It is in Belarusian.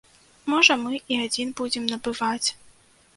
Можа мы і адзін будзем набываць.